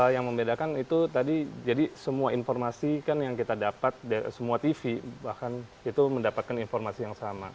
yang membedakan itu tadi jadi semua informasi kan yang kita dapat semua tv bahkan itu mendapatkan informasi yang sama